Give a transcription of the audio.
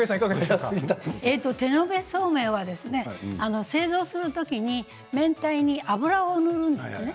手延べそうめんは製造する時に全体に油を塗るんですね。